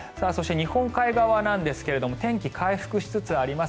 日本海側なんですが天気、回復しつつあります。